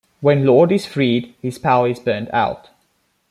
When Lord is freed, his power is burnt out.